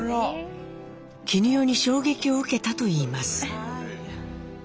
絹代に衝撃を受けたと言います。